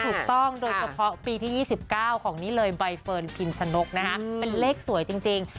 ถูกต้องโดยเฉพาะปีที่๒๙ของนี่เลยใบเฟิร์นพิมชนกนะฮะเป็นเลขสวยจริง